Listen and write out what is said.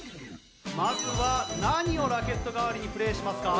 まずは何をラケット代わりにプレーしますか？